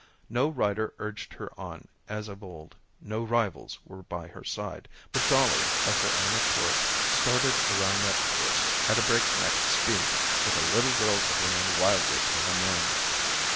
No rider urged her on as of old, no rivals were by her side; but Dollie of her own accord started around that course at a breakneck speed with a little girl clinging wildly to her mane.